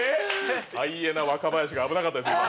ハイエナ若林が危なかった今。